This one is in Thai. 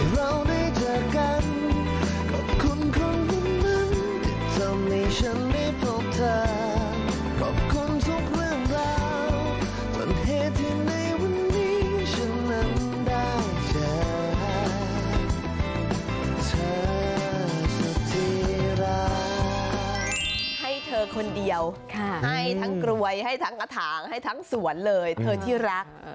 ให้เธอคนเดียวให้ทั้งกรวยให้ทั้งกระถางให้ทั้งสวนเลยเธอที่รัก